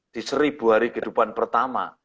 di seribu hari kehidupan pertama